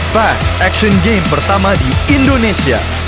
five action game pertama di indonesia